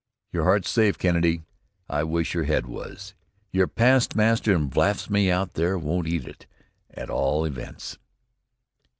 "Your heart's safe, Kennedy. I wish your head was. Your past master in blasphemy out there won't eat it, at all events."